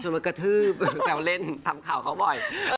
ชวนไปกระทืบแปลวเล่นทำข่าวเขาบ่อย